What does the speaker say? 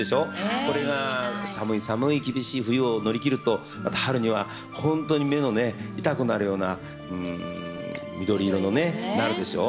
これが寒い寒い厳しい冬を乗り切るとまた春には本当に目の痛くなるような緑色のねなるでしょう？